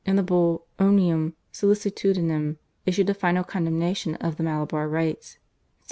in the Bull, /Omnium sollicitudinem/, issued a final condemnation of the Malabar Rites (1744).